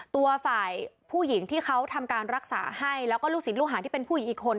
ตัวฝ่ายผู้หญิงที่เขาทำการรักษาให้แล้วก็ลูกศิษย์ลูกหาที่เป็นผู้หญิงอีกคน